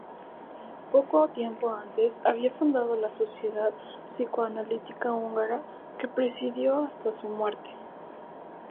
Poco tiempo antes, había fundado la Sociedad Psicoanalítica Húngara, que presidió hasta su muerte.